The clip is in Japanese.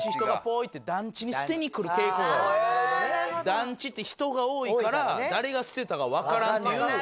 団地って人が多いから誰が捨てたかわからんっていう。